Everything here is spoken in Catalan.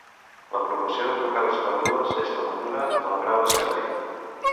La proporció de trucades perdudes és la mesura del grau de servei.